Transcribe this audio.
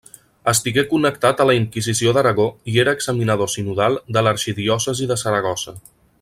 Estigué connectat a la Inquisició d'Aragó i era examinador sinodal de l'arxidiòcesi de Saragossa.